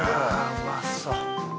うまそう。